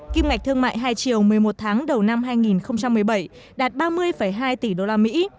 kim ngạch thương mại hai chiều một mươi một tháng đầu năm hai nghìn một mươi bảy đạt ba mươi hai tỷ usd